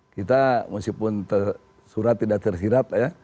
kita meskipun surat tidak tersirat ya